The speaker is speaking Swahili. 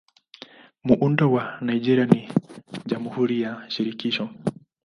Muundo wa Nigeria ni Jamhuri ya Shirikisho.